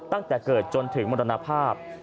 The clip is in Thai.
ตั้งแต่เกิดจนถึงมรณภาพ